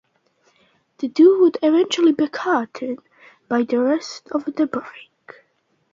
The duo would eventually be caught by the rest of the break.